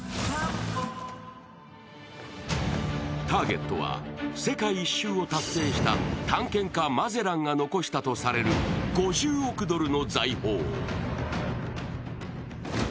ターゲットは世界一周を達成した探検家マゼランが残したとされる５０億ドルの財宝。